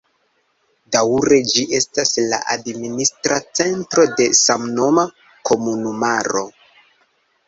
Daŭre ĝi estas la administra centro de samnoma komunumaro.